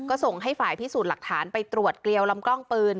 ก็ส่งให้ฝ่ายพิสูจน์หลักฐานไปตรวจเกลียวลำกล้องปืน